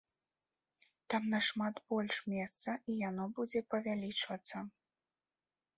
Там нашмат больш месца, і яно будзе павялічвацца.